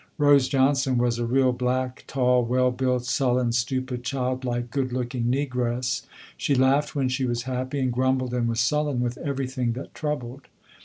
Rose Johnson was a real black, tall, well built, sullen, stupid, childlike, good looking negress. She laughed when she was happy and grumbled and was sullen with everything that troubled.